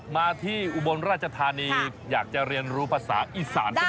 มาที่อุบลราชธานีอยากจะเรียนรู้ภาษาอีสานใช่ไหม